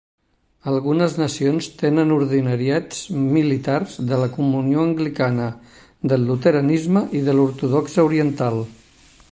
Algunes nacions tenen ordinariats militars de la Comunió anglicana, del luteranisme i de l'ortodòxia oriental.